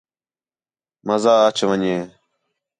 مزاہ اَچ ون٘ڄے